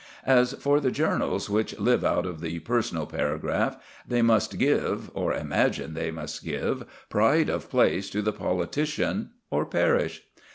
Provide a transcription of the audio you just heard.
As for the journals which live out of the personal paragraph, they must give or imagine they must give pride of place to the politician, or perish.